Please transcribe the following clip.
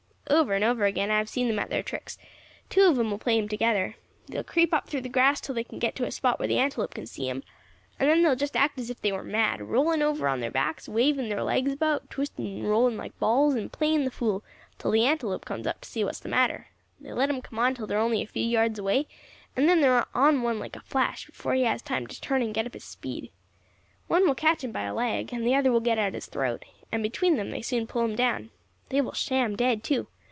Over and over again have I seen them at their tricks; two of them will play them together. They will creep up through the grass till they can get to a spot where the antelope can see them, and then they will just act as if they were mad, rolling over on their backs, waving their legs about, twisting and rolling like balls, and playing the fool, till the antelope comes up to see what is the matter. They let them come on till they are only a few yards away, and then they are on one like a flash, before he has time to turn and get up his speed. One will catch him by a leg, and the other will get at his throat, and between them they soon pull him down. They will sham dead too.